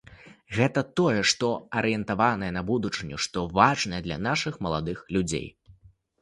Гэта тое, што арыентаванае на будучыню, што важнае для нашых маладых людзей.